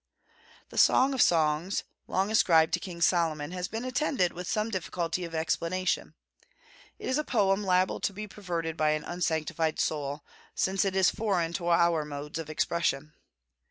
The Song of Songs, long ascribed to King Solomon, has been attended with some difficulty of explanation. It is a poem liable to be perverted by an unsanctified soul, since it is foreign to our modes of expression.